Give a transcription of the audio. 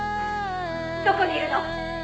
どこにいるの？」